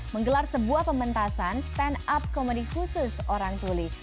menggelar sebuah pementasan stand up komedi khusus orang tuli